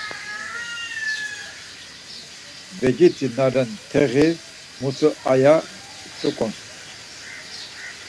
Beciti na ren teği mutu aya rt̆uk̆on.